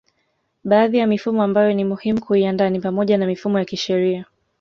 Baadhi ya mifumo ambayo ni muhimu kuiandaa ni pamoja na mifumo ya kisheria